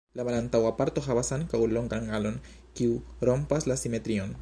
La malantaŭa parto havas ankaŭ longan alon, kiu rompas la simetrion.